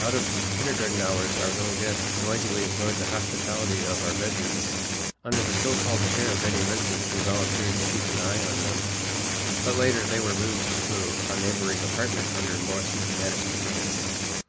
Out of kindergarten hours our little guests noisily enjoyed the hospitality of our bedrooms under the so called care of any resident who volunteered to keep an eye on them, but later they were moved into a neighboring apartment under more systematic supervision.